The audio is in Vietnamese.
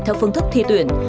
theo phương thức thi tuyển